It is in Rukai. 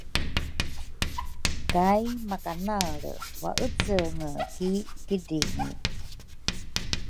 kay makanaelre waecenge ki kidringi.